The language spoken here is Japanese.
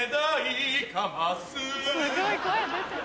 すごい声出てる。